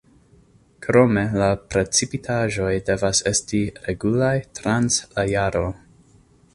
Krome la precipitaĵoj devas esti regulaj trans la jaro.